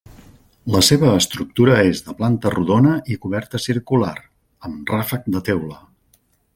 La seva estructura és de planta rodona i coberta circular, amb ràfec de teula.